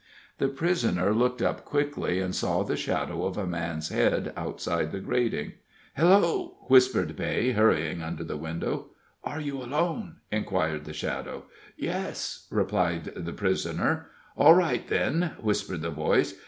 The prisoner looked up quickly, and saw the shadow of a man's head outside the grating. "Hello!" whispered Beigh, hurrying under the window. "Are you alone?" inquired the shadow. "Yes," replied the prisoner. "All right, then," whispered the voice.